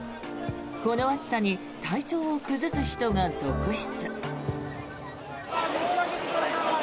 この暑さに体調を崩す人が続出。